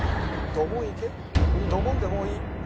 ドボンでもういい。